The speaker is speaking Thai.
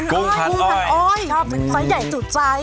กุ้งพันอ้อยสายใหญ่สุดใจ